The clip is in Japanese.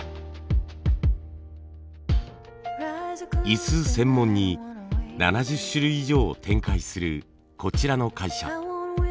椅子専門に７０種類以上を展開するこちらの会社。